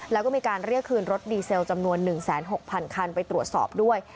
แล้วก็มีการเรียกคืนรถดีเซลจำนวน๑๖๐๐๐คันไปตรวจสอบด้วย